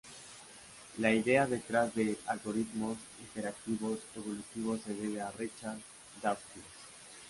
La idea detrás de algoritmos interactivos evolutivos se debe a Richard Dawkins.